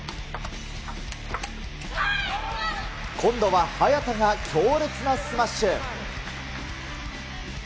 今度は早田が強烈なスマッシュ。